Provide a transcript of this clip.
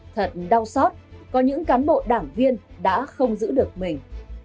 thật đau xót có những cán bộ đảng viên đã không giữ được mình